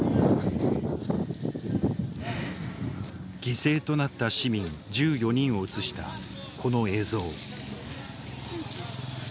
犠牲となった市民１４人を写したこの映像。